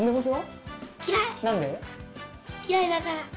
きらいだから。